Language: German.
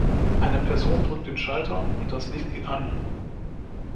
Eine Person drückt den Schalter, und das Licht geht an.